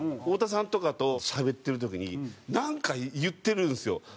太田さんとかとしゃべってる時になんか言ってるんですよ。